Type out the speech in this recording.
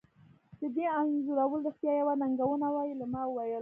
د دې انځورول رښتیا یوه ننګونه وه ویلما وویل